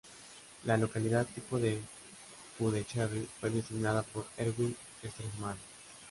La localidad tipo de Puducherry fue designada por Erwin Stresemann.